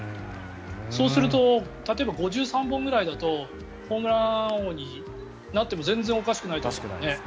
そうすると例えば５３本ぐらいだとホームラン王になっても全然おかしくないよね。